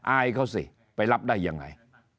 อายเขาสิไปรับได้ยังไง